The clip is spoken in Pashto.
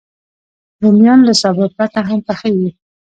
رومیان له سابه پرته هم پخېږي